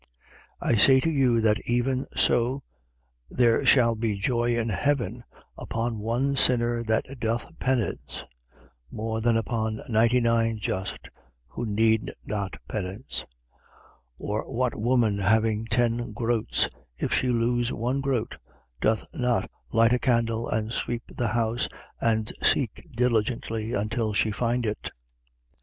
I say to you that even so there shall be joy in heaven upon one sinner that doth penance, more than upon ninety nine just who need not penance. 15:8. Or what woman having ten groats, if she lose one groat, doth not light a candle and sweep the house and seek diligently until she find it?